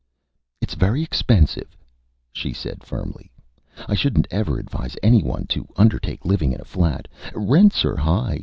"It's very expensive," she said, firmly. "I shouldn't ever advise any one to undertake living in a flat. Rents are high.